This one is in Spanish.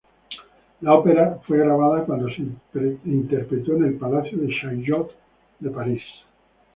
La ópera fue grabada cuando se interpretó en el Palacio de Chaillot de París.